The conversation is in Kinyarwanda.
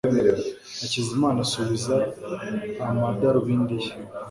hakizamana asubiza amadarubindi ye.